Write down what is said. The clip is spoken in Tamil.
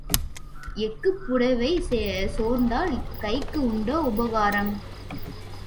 எக்குப் புடைவை சோர்ந்தால் கைக்கு உண்டோ உபகாரம்?